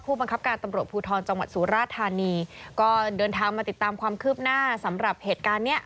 บังคับการตำรวจภูทรจังหวัดสุราธานีก็เดินทางมาติดตามความคืบหน้าสำหรับเหตุการณ์เนี้ย